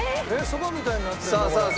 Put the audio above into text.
そばみたいになってる。